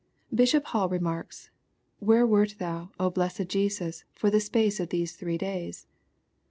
] Bishop Hall remarks, " Where wert thou, O blessed Jesus, for the space of these three days?